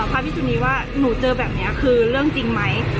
พิสุนีว่าหนูเจอแบบนี้คือเรื่องจริงไหม